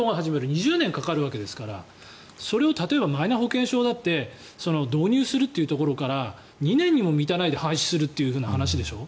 ２０年かかるわけですからそれを例えばマイナ保険証だって導入するというところから２年にも満たないで廃止するという話でしょ。